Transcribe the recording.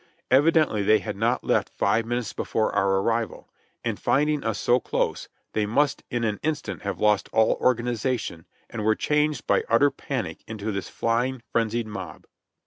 Evidently they had not left five minutes before our arrival, and finding us so close, they must in an instant have lost all organization and were changed by utter panic into this flying, frenzied mob.